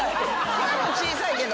声も小さいけど。